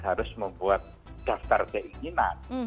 harus membuat daftar keinginan